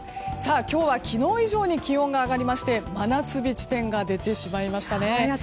今日は昨日以上に気温が上がりまして真夏日地点が出てしまいました。